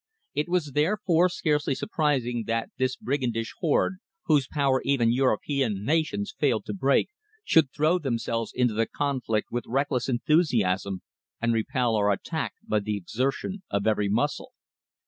It was therefore scarcely surprising that this brigandish horde, whose power even European nations failed to break, should throw themselves into the conflict with reckless enthusiasm, and repel our attack by the exertion of every muscle.